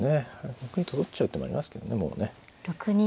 ６二とと取っちゃう手もありますけどねもうね。